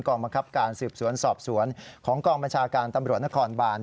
บังคับการสืบสวนสอบสวนของกองบัญชาการตำรวจนครบาน